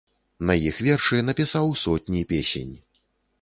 На іх вершы напісаў сотні песень.